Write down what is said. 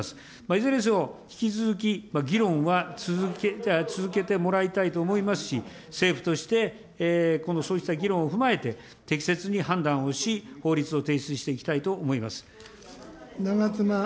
いずれにせよ、引き続き、議論は続けてもらいたいと思いますし、政府として、このそうした議論を踏まえて、適切に判断をし、法律を提出していきたいと思います。